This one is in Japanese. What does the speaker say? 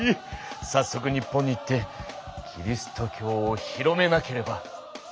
さっそく日本に行ってキリスト教を広めなければ。